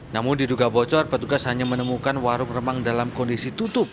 namun diduga bocor petugas hanya menemukan warung remang dalam kondisi tutup